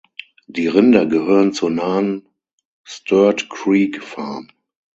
Die Rinder gehören zur nahen "Sturt Creek Farm".